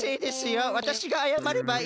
わたしがあやまればいいんでしょ？